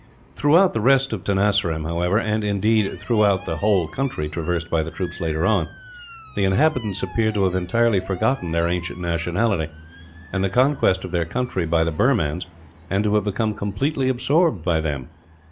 Throughout the rest of Tenasserim, however; and indeed, throughout the whole country traversed by the troops later on, the inhabitants appeared to have entirely forgotten their ancient nationality, and the conquest of their country by the Burmans; and to have become completely absorbed by them.